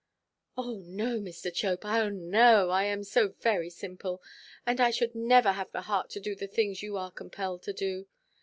"Oh no, Mr. Chope, oh no! I am so very simple. And I never should have the heart to do the things you are compelled to do.